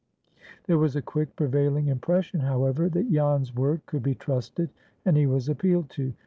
There was a quick, prevailing impression, however, that Jan's word could be trusted, and he was appealed to.